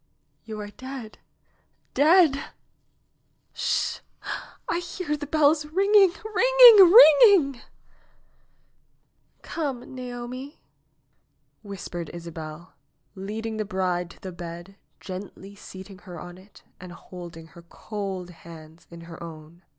^Wou are dead — dead I Sh ! I hear the bells ringing, ringing, ringing !" '^Come, Naomi !" whispered Isabel, leading the bride to the bed, gently seating her on it and holding her cold hands in her own.